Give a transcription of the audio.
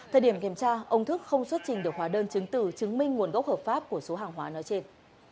thời điểm kiểm tra ông thức không xuất trình được hóa đơn chứng tử chứng minh nguồn gốc hợp pháp của số hàng hóa nói trên